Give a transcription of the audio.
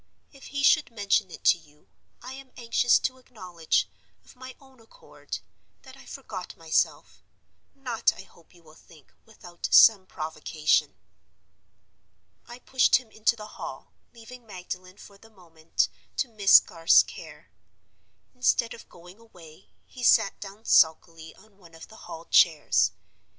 If he should mention it to you, I am anxious to acknowledge, of my own accord, that I forgot myself—not, I hope you will think, without some provocation. "I pushed him into the hall, leaving Magdalen, for the moment, to Miss Garth's care. Instead of going away, he sat down sulkily on one of the hall chairs.